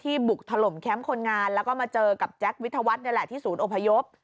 บุกถล่มแคมป์คนงานแล้วก็มาเจอกับแจ็ควิทยาวัฒน์นี่แหละที่ศูนย์อพยพ